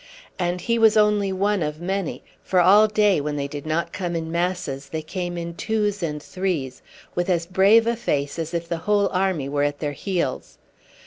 And he was only one of many, for all day when they did not come in masses they came in twos and threes with as brave a face as if the whole army were at their heels.